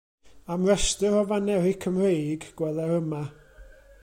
Am restr o faneri Cymreig, gweler yma.